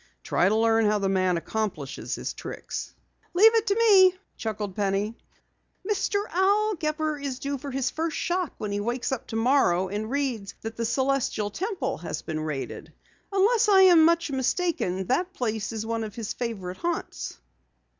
Try to learn how the man accomplishes his tricks." "Leave it to me," chuckled Penny. "Mr. Al Gepper is due for his first shock when he wakes up tomorrow and reads that the Celestial Temple has been raided. Unless I am much mistaken, that place is one of his favorite haunts."